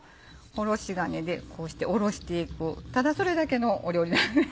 おろし金でこうしておろして行くただそれだけの料理なんで。